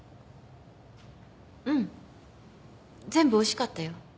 うん全部おいしかったよ。